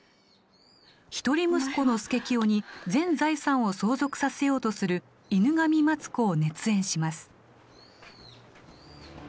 一人息子の佐清に全財産を相続させようとする犬神松子を熱演します